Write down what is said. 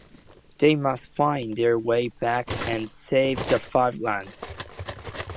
They must find their way back and save the Five Lands.